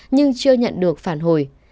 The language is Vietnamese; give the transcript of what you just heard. nhưng chưa nhận được phản hồi